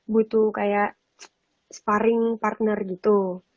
butuh kayak sparring partner gitu